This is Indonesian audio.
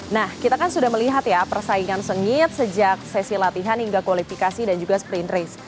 nah kita kan sudah melihat ya persaingan sengit sejak sesi latihan hingga kualifikasi dan juga sprint race